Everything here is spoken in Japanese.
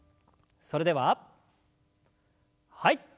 それでははい。